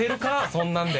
そんなんで。